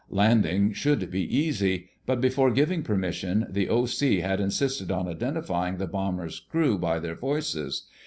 Landing should be easy, but before giving permission, the O.C. had insisted on identifying the bomber's crew by their voices.